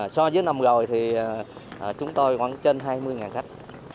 so với năm rồi thì chúng tôi khoảng trên hai mươi khách